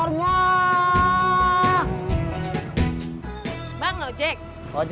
kenapa lo telat